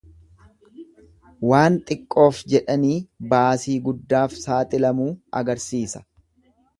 Waan xiqqoof jedhanii baasii guddaaf saaxilamuu agarsiisa.